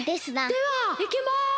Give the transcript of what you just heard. ・ではいきます。